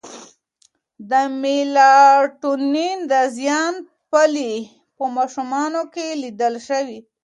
د میلاټونین د زیان پایلې په ماشومانو کې لیدل شوې.